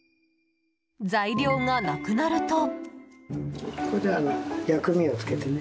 材料がなくなると。